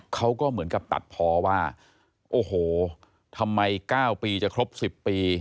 เขาก็เหมือนกับตัดพอว่าโอ้โหทำไม๙ปีจะครบ๑๐ปี